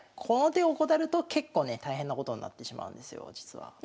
この手怠ると結構ね大変なことになってしまうんですよ実は。